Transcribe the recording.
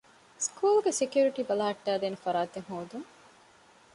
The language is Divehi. ސްކޫލުގެ ސެކިއުރިޓީ ބަލަހައްޓައިދޭނެ ފަރާތެއް ހޯދުން